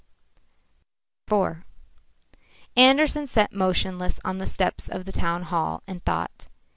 IV Andersen sat motionless on the steps of the town hall, and thought.